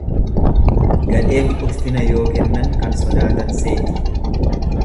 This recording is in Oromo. Gadheef ulfina yoo kennan kan sodaatan seeti.